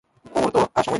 কুমুর তো আর সময় নেই।